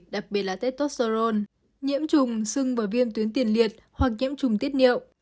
đặc biệt là testosterone nhiễm trùng sưng và viêm tuyến tiền liệt hoặc nhiễm trùng tiết niệm